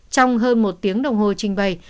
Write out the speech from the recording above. trong hơn một tiếng đồng hồ trình bày